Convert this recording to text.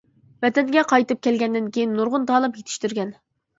ۋەتەنگە قايتىپ كەلگەندىن كېيىن نۇرغۇن تالىپ يېتىشتۈرگەن.